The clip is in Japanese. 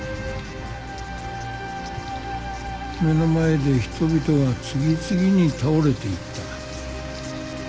目の前で人々が次々に倒れていった。